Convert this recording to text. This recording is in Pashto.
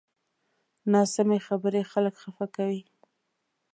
ناسمې خبرې خلک خفه کوي